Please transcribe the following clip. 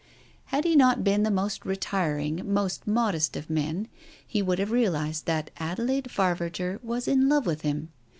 Had he not been the most retiring, most modest of men he would have realized that Adelaide Favarger was in love with him.